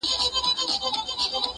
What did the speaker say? آذر ته له دې ځايه غر و ښار ته ور وړم,